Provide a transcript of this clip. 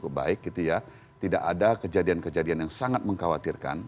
kedua kita bisa mengalami kejadian kejadian yang sangat mengkhawatirkan